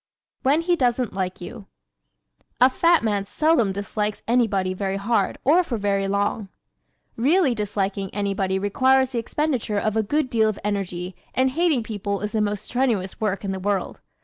When He Doesn't Like You ¶ A fat man seldom dislikes anybody very hard or for very long. Really disliking anybody requires the expenditure of a good deal of energy and hating people is the most strenuous work in the world.